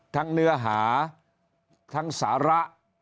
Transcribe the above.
ทั้งเนื้อหาทั้งสาระ